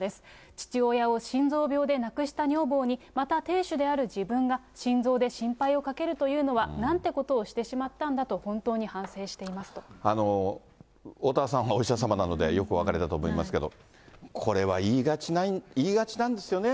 父親を心臓病をなくした女房に、また亭主である自分が心臓で心配をかけるというのは、なんということをしてしまったんだと、本当おおたわさんはお医者様なのでよくお分かりだと思いますけれども、これは言いがちなんですよね。